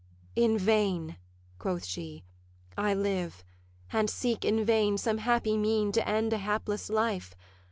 'In vain,' quoth she, 'I live, and seek in vain Some happy mean to end a hapless life.